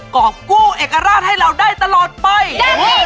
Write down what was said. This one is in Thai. กรอบกู้เอกราชให้เราได้ตลอดไป